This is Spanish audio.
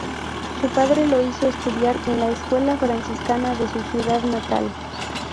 Su padre lo hizo estudiar en la escuela franciscana de su ciudad natal.